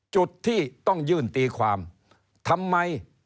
จุดที่ต้องยื่นตีความทำไม